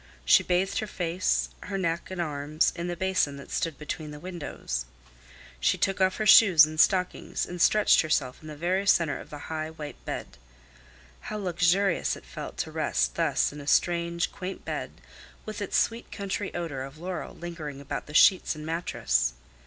She bathed her face, her neck and arms in the basin that stood between the windows. She took off her shoes and stockings and stretched herself in the very center of the high, white bed. How luxurious it felt to rest thus in a strange, quaint bed, with its sweet country odor of laurel lingering about the sheets and mattress!